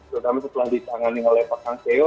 terutama setelah disangani oleh pak sang seo